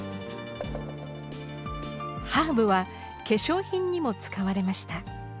ハーブは化粧品にも使われました。